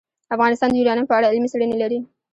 افغانستان د یورانیم په اړه علمي څېړنې لري.